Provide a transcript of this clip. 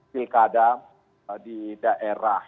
pilkada di daerah